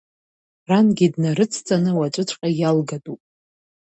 Рангьы днарыцҵаны уаҵәыҵәҟьа иалгатәуп…